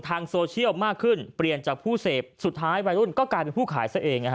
ทางโซเชียลมากขึ้นเปลี่ยนจากผู้เสพสุดท้ายวัยรุ่นก็กลายเป็นผู้ขายซะเอง